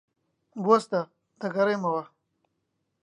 بوەستە. دەگەڕێمەوە.